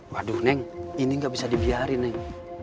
waduh neng ini gak bisa dibiarin neng